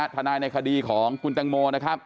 ทนายในคดีของกุลเต็กโม